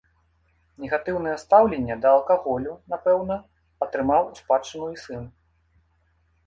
Негатыўнае стаўленне да алкаголю, напэўна, атрымаў у спадчыну і сын.